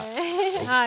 はい。